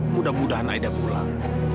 mudah mudahan aida pulang